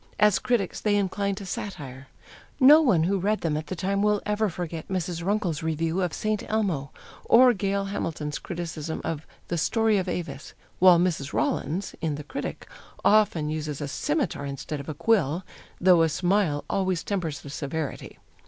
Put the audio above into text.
As critics they incline to satire. No one who read them at the time will ever forget Mrs. Runkle's review of "St. Elmo," or Gail Hamilton's criticism of "The Story of Avis," while Mrs. Rollins, in the Critic, often uses a scimitar instead of a quill, though a smile always tempers the severity.